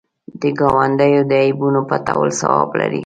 د ګاونډي د عیبونو پټول ثواب لري